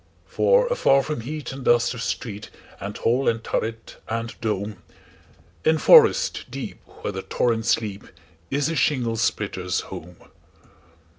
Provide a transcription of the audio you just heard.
For afar from heat and dust of street, And hall and turret, and dome, In forest deep, where the torrents leap, Is the shingle splitter's home.